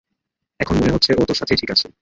এখন মনেহচ্ছে, ও তোর সাথেই ঠিক আছে।